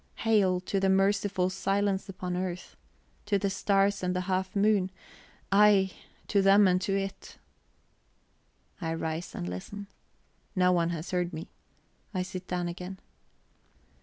Hail to the merciful silence upon earth, to the stars and the half moon; ay, to them and to it!" ... I rise and listen. No one has heard me. I sit down again.